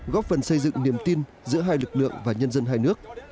góp phần xây dựng niềm tin giữa hai lực lượng và nhân dân hai nước